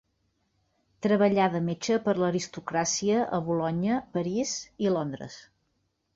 Treballà de metge per l'aristocràcia a Bolonya, París i Londres.